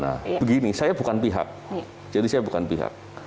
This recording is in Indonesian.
nah begini saya bukan pihak jadi saya bukan pihak